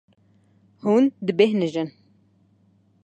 Hûn dibêhnijin.